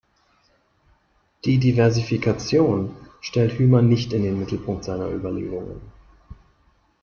Die Diversifikation stellt Hymer nicht in den Mittelpunkt seiner Überlegungen.